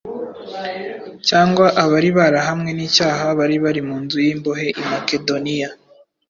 cyangwa abari barahamwe n’icyaha bari bari mu nzu y’imbohe i Makedoniya,